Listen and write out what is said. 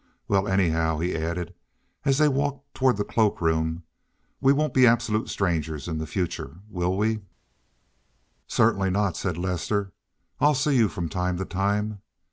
"Well, anyhow," he added, as they walked toward the cloakroom, "we won't be absolute strangers in the future, will we?" "Certainly not," said Lester. "I'll see you from time to time."